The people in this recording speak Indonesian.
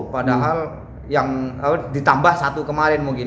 padahal yang ditambah satu kemarin mungkin